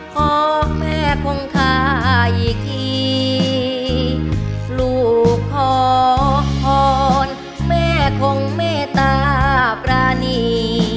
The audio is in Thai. ขอแม่ของข้าอีกทีลูกขอพรแม่คงไม่ตาปรณี